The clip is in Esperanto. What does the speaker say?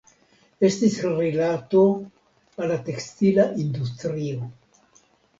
Estis rilato al la tekstila industrio.